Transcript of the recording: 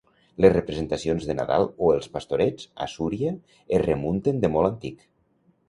Les representacions de Nadal, o els Pastorets, a Súria es remunten de molt antic.